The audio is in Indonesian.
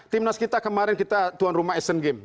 timnas kita kemarin kita tuan rumah esen game